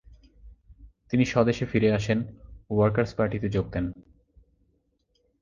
তিনি স্বদেশে ফিরে আসেন ও ‘ওয়ার্কার্স পার্টি’তে যোগ দেন।